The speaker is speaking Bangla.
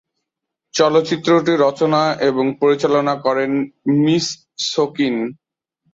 চলচ্চিত্র টি রচনা এবং পরিচালনা করেন মিসসকিন।